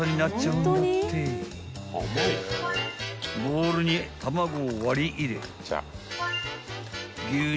［ボウルに卵を割り入れ］